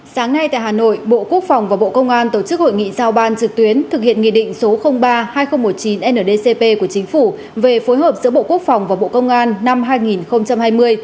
sáng nay tại hà nội bộ quốc phòng và bộ công an tổ chức hội nghị giao ban trực tuyến thực hiện nghị định số ba hai nghìn một mươi chín ndcp của chính phủ về phối hợp giữa bộ quốc phòng và bộ công an năm hai nghìn hai mươi